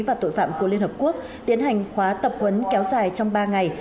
và tội phạm của liên hợp quốc tiến hành khóa tập huấn kéo dài trong ba ngày